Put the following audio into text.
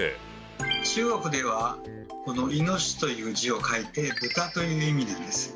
中国ではこの「猪」という字を書いて「豚」という意味なんです。